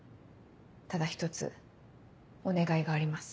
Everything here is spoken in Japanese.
ただ一つお願いがあります。